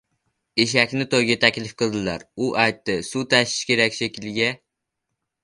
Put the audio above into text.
• Eshakni to‘yga taklif qildilar. U aytdi: “suv tashish kerak shekilli-a?”.